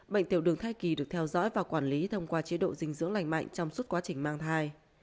bệnh tiểu đường thai kỳ được theo dõi và quản lý thông qua chế độ dinh dưỡng lành mạnh trong suốt quá trình mang thai